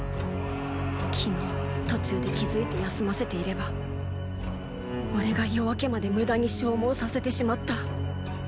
昨日途中で気付いて休ませていればオレが夜明けまで無駄に消耗させてしまった。